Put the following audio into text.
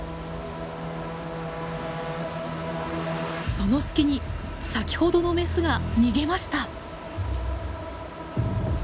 その隙に先ほどのメスが逃げました。